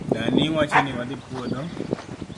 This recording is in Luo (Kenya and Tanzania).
Dani wacho ni wadhi puodho.